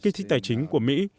kích thích tài chính của mỹ